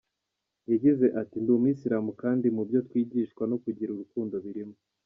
Yagize ati “Ndi umusilamu kandi mu byo twigishwa no kugira urukundo birimo.